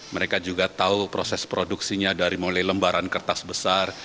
mereka juga tahu proses produksinya dari mulai lembaran kertas besar